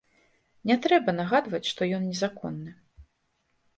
Не трэба нагадваць, што ён незаконны.